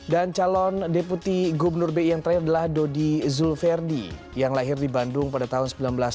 dan calon deputi gubernur bi yang terakhir adalah dodi zulferdi yang lahir di bandung pada tahun seribu sembilan ratus enam puluh sembilan